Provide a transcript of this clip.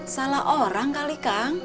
salah orang kali kang